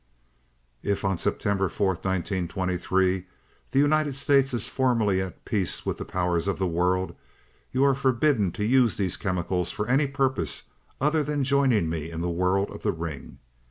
"'If, on September 4th, 1923, the United States is formally at peace with the powers of the world, you are forbidden to use these chemicals for any purpose other than joining me in the world of the ring.